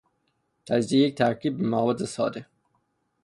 تجزیهی یک ترکیب به مواد ساده